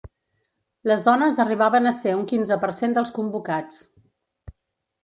Les dones arribaven a ser un quinze per cent dels convocats.